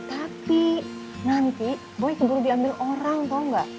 tapi nanti boy keburu diambil orang tau nggak